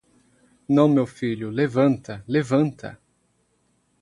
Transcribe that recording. Não, meu filho, levanta, levanta!